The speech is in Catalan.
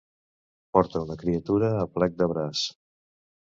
Portar una criatura a plec de braç.